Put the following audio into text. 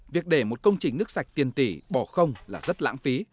việc để một công trình nước sạch tiền tỷ bỏ không là rất lãng phí